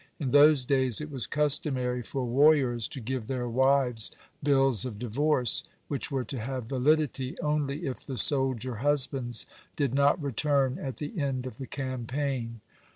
In those days it was customary for warriors to give their wives bills of divorce, which were to have validity only if the soldier husbands did not return at the end of the campaign.